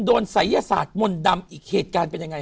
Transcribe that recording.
ศัยยศาสตร์มนต์ดำอีกเหตุการณ์เป็นยังไง